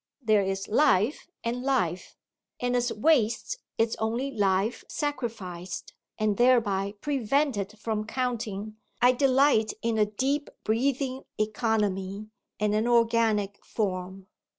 There is life and life, and as waste is only life sacrificed and thereby prevented from "counting," I delight in a deep breathing economy and an organic form.